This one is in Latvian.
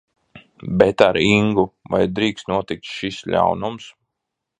Bet ar Ingu, vai drīkst notikt šis ļaunums?